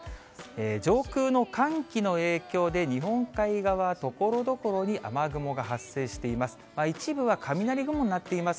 上空の寒気の影響で、日本海側、ところどころに雨雲が発生しています。